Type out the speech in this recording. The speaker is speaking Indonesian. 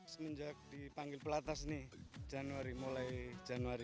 semenjak dipanggil pelatas nih mulai januari